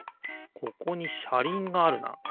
ここにしゃりんがあるな。